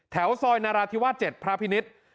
แถวซอยนาราธิวาส๗พระพินิษฐ์